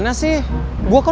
nanti gue jalan